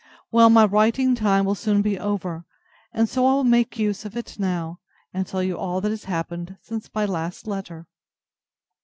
Well, my writing time will soon be over, and so I will make use of it now, and tell you all that has happened since my last letter.